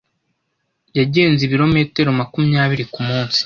Yagenze ibirometero makumyabiri kumunsi.